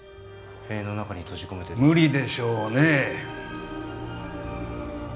塀の中に閉じ込めてでも無理でしょうね